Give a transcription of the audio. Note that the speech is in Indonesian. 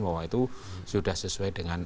bahwa itu sudah sesuai dengan